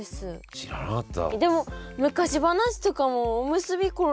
知らなかった。